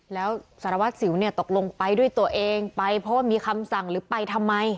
แล้วสารวัตรสิวเนี่ยตกลงไปด้วยตัวเองไปเพราะว่ามีคำสั่งหรือไปทำไม